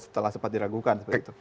setelah sempat diragukan